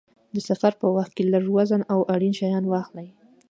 د سفر په وخت کې لږ وزن او اړین شیان واخلئ.